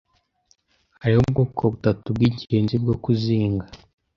Hariho ubwoko butatu bwingenzi bwo kuzinga